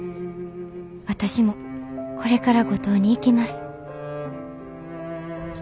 私もこれから五島に行きます」。